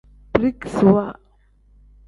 Birikisiwa.